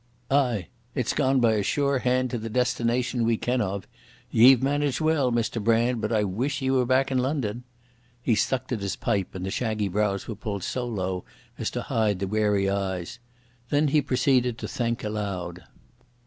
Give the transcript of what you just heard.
"Ay. It's gone on by a sure hand to the destination we ken of. Ye've managed well, Mr Brand, but I wish ye were back in London." He sucked at his pipe, and the shaggy brows were pulled so low as to hide the wary eyes. Then he proceeded to think aloud.